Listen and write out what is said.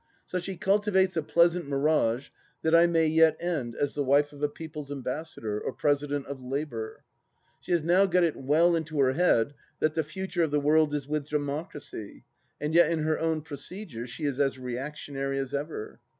So she cultivates a pleasant mirage that I may yet end as the wife of a People's Ambassador, or President of Labour. She has now got it well into her head that the Future of the world is with Democracy, and yet in her own procedure she is as reactionary as ever.